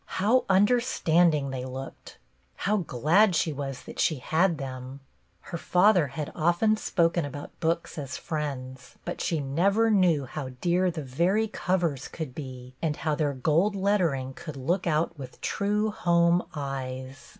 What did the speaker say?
How understanding they looked ! How glad she was that she had them ! Her father had often spoken about books as friends, but she never knew how dear the very covers could be, and how their gold lettering could look out with true home eyes.